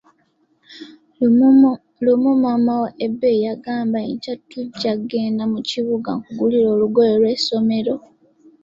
Lumu maama wa Ebei yagamba, enkya tujja kugenda mu kibuga nkugulire olugoye lw'essomero.